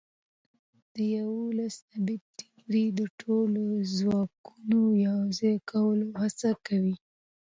د یوولس ابعادو تیوري د ټولو ځواکونو یوځای کولو هڅه کوي.